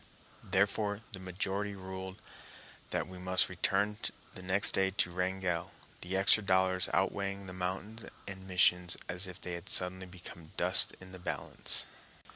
Therefore, the majority ruled that we must return next day to Wrangell, the extra dollars outweighing the mountains and missions as if they had suddenly become dust in the balance.